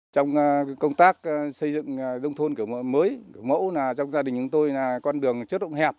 trong công tác xây dựng nông thôn mới mẫu trong gia đình chúng tôi là con đường chất động hẹp